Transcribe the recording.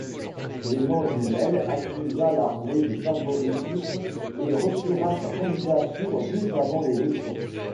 Clément Jumelle accusa l'armée de favoritisme et retira sa candidature juste avant l'élection.